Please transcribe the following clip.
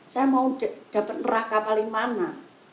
saya mau dapat neraka paling mana